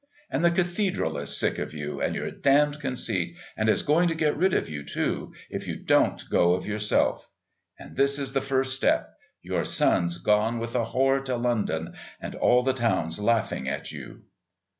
And the Cathedral is sick of you and your damned conceit, and is going to get rid of you, too, if you won't go of yourself. And this is the first step. Your son's gone with a whore to London, and all the town's laughing at you."